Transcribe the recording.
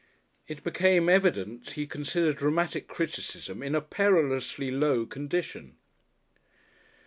It became evident he considered dramatic criticism in a perilously low condition....